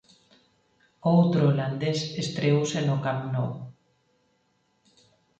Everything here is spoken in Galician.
Outro holandés estreouse no Camp Nou.